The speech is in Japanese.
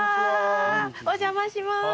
お邪魔します。